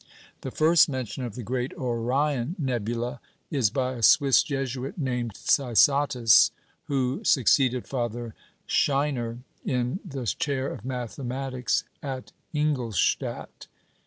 The first mention of the great Orion nebula is by a Swiss Jesuit named Cysatus, who succeeded Father Scheiner in the chair of mathematics at Ingolstadt.